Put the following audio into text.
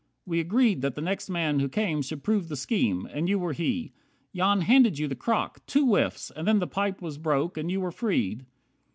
We agreed That the next man who came should prove the scheme; And you were he. Jan handed you the crock. Two whiffs! And then the pipe was broke, and you were freed."